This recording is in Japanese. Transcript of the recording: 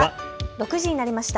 ６時になりました。